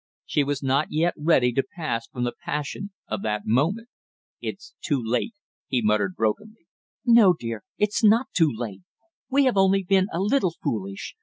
She was not yet ready to pass from the passion of that moment. "It's too late " he muttered brokenly. "No, dear, it's not too late, we have only been a little foolish.